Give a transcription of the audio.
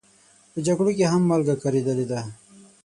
په جګړو کې هم مالګه کارېدلې ده.